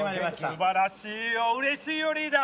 素晴らしいようれしいよリーダー！